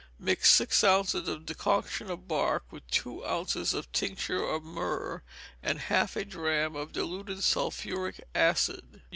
Mix six ounces of decoction of bark with two ounces of tincture of myrrh, and half a drachm of diluted sulphuric acid.